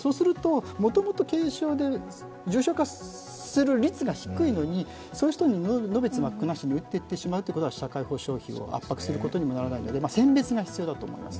もともと軽症で、重症化する率が低いのにそういう人にのべつ幕なしに打っていくことは、社会保障費を圧迫することにもなるので選別が必要だと思います。